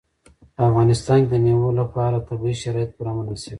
په افغانستان کې د مېوو لپاره طبیعي شرایط پوره مناسب دي.